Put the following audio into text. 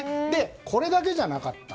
これだけじゃなかった。